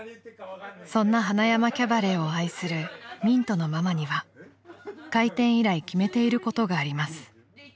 ［そんな塙山キャバレーを愛するみんとのママには開店以来決めていることがあります］